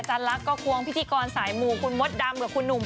ลักษณ์ก็ควงพิธีกรสายหมู่คุณมดดำกับคุณหนุ่ม